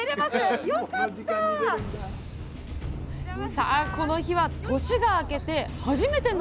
さあこの日は年が明けて初めての漁！